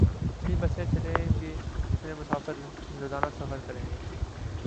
اتنی بسیں چلیں گی، اتنے مسافر روزانہ سفر کریں گے۔